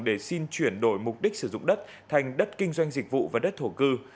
để xin chuyển đổi mục đích sử dụng đất thành đất kinh doanh dịch vụ và đất thổ cư